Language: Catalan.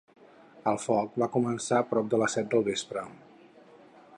El foc va començar prop de les set del vespre.